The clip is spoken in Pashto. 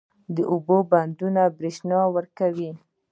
د اوبو بندونه برښنا ورکوي